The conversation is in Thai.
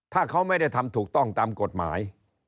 ถ้าเขาไม่ได้ทำถูกต้องตามกฎหมาย